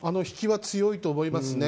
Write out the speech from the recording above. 引きは強いと思います。